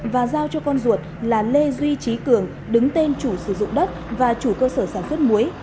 và giao cho con ruột là lê duy trí cường đứng tên chủ sử dụng đất và chủ cơ sở sản xuất muối